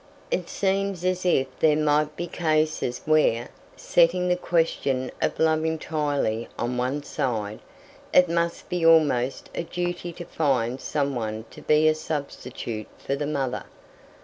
"It seems as if there might be cases where setting the question of love entirely on one side it must be almost a duty to find some one to be a substitute for the mother.